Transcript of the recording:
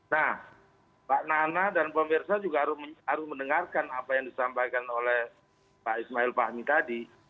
nah pak nana dan pemirsa juga harus mendengarkan apa yang disampaikan oleh pak ismail fahmi tadi